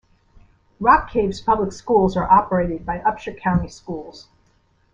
Rock Cave's public schools are operated by Upshur County Schools.